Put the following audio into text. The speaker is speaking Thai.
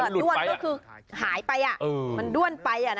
ด้วนก็คือหายไปมันด้วนไป